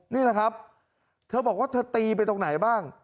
นี่แหละครับเธอบอกว่าเธอตีไปตรงไหนบ้าง